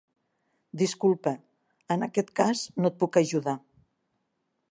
Disculpa, en aquest cas no et puc ajudar.